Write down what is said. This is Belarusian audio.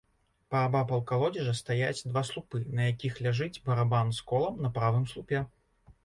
Паабапал калодзежа стаяць два слупы, на якіх ляжыць барабан з колам на правым слупе.